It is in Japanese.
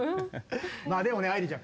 でもね愛理ちゃん